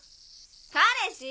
彼氏？